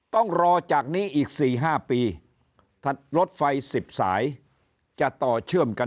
ต้องรอจากนี้อีก๔๕ปีรถไฟ๑๐สายจะต่อเชื่อมกัน